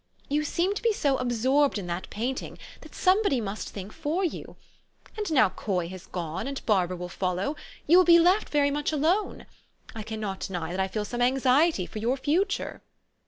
You seem to be so absorbed in that painting, that somebody must think for you. And now Coy has gone, and Barbara will soon follow, you will be left very much alone. I can not deny that I feel some anxiety for your future."